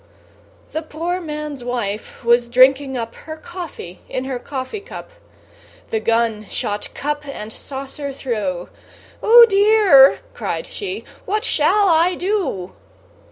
The poor man's wife was drinking up Her coffee in her coffee cup; The gun shot cup and saucer through; "Oh dear!" cried she; "what shall I do?"